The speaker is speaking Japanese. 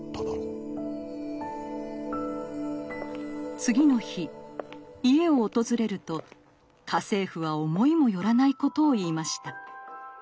次の日家を訪れると家政婦は思いもよらないことを言いました。